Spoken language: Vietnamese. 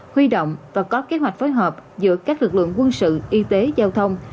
huy động và có kế hoạch phối hợp giữa các lực lượng quân sự y tế giao thông